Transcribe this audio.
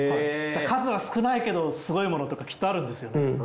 数は少ないけどすごいものとかきっとあるんですよね。